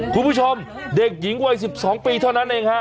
คุณผู้ชมเด็กหญิงวัย๑๒ปีเท่านั้นเองฮะ